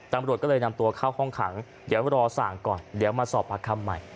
ตำรวจก็เลยนำตัวเข้าห้องขังเดี๋ยวรอสั่งก่อนเดี๋ยวมาสอบปากคำใหม่